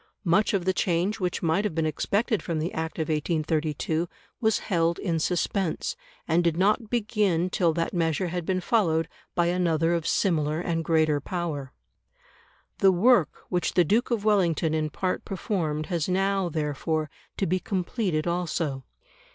Much of the change which might have been expected from the Act of 1832 was held in suspense, and did not begin till that measure had been followed by another of similar and greater power. The work which the Duke of Wellington in part performed has now, therefore, to be completed also.